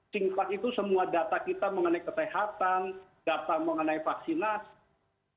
singkat itu semua data kita mengenai kesehatan data mengenai vaksinasi